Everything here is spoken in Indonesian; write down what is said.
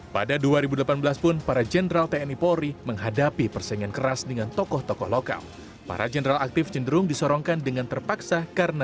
pada dua ribu delapan belas pun para jenderal tni polri menghadapi penyelamatkan penyelamatkan penyelamatkan penyelamatkan